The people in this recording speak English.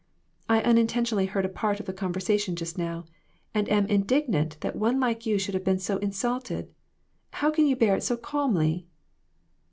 I unintentionally heard a part of the conversation just now, and am indignant that one like you should have been so insulted. How can you bear it so calmly